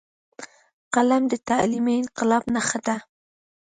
قلم د تعلیمي انقلاب نښه ده